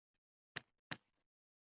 贡山栎为壳斗科栎属下的一个种。